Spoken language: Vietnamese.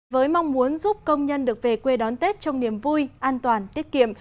với mong muốn giúp công nhân được về quê đón tết trong niềm vui an toàn tiết kiệm